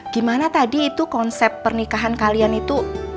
gimana tadi itu konsep pernikahan kalian itu